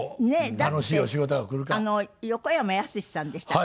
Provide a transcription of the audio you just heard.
だって横山やすしさんでしたっけ？